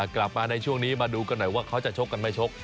กลับมาในช่วงนี้มาดูกันหน่อยว่าเขาจะชกกันไม่ชก